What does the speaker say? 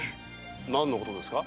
何のことですか？